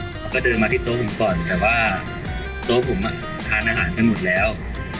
เขาก็เดินมาที่โต๊ะผมก่อนแต่ว่าโต๊ะผมทานอาหารกันหมดแล้ว